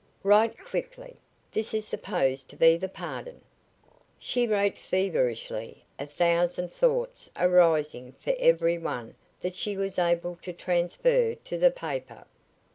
Write quickly! This is supposed to be the pardon." She wrote feverishly, a thousand thoughts arising for every one that she was able to transfer to the paper.